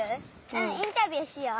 うんインタビューしよう。